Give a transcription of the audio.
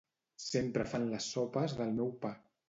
Sempre fan les sopes del meu pa.